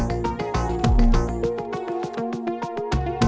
tidak mungkin ada beberapa